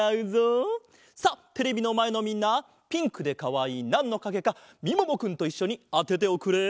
さあテレビのまえのみんなピンクでかわいいなんのかげかみももくんといっしょにあてておくれ。